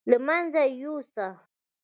له منځه یې یوسه.